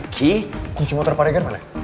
kunci motor pak regar mana